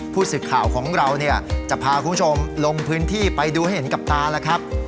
ผู้สื่อข่าวของเราเนี่ยจะพาคุณผู้ชมลงพื้นที่ไปดูให้เห็นกับตาแล้วครับ